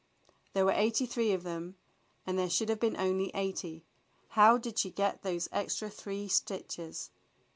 There were eighty three of them, and there should have been only eighty. How did she get those extra three stitches.